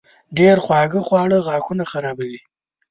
ډېر خواږه خواړه غاښونه خرابوي.